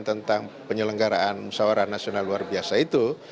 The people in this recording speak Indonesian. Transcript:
tentang penyelenggaraan musawara nasional luar biasa itu